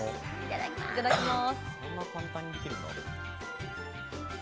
いただきます。